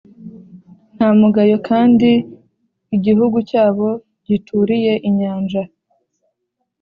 Nta mugayo kandi igihugu cyabo gituriye inyanja